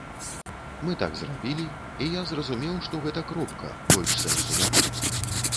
Мы так зрабілі, і я зразумеў, што гэта кропка, больш сэнсу няма.